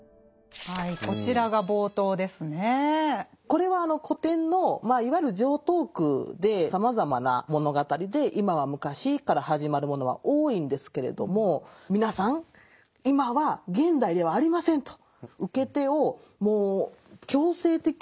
これは古典のいわゆる常套句でさまざまな物語で「今は昔」から始まるものは多いんですけれども「皆さん今は現代ではありません」と。